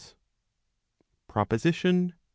PROPOSITION CC.